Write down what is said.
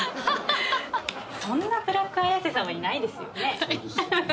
そんなブラック綾瀬さんはいないですよね。